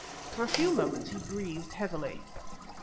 For a few moments he breathed heavily.